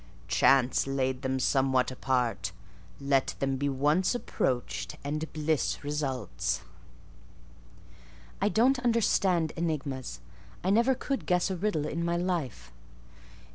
Chance laid them somewhat apart; let them be once approached and bliss results." "I don't understand enigmas. I never could guess a riddle in my life."